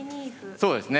そうですね。